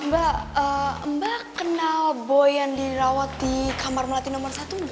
mba mba kenal boy yang dirawat di kamar melatih nomor satu mba